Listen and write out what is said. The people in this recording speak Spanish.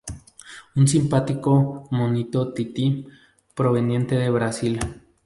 Un simpático monito tití proveniente de Brasil.